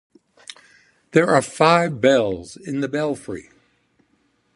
There are five bells in the belfry.